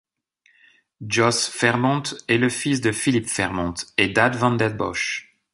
Josse Fermondt est le fils de Philippe Fermondt et d'Anne Vanden Bossche.